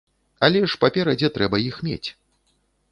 Але ж, паперадзе, трэба іх мець.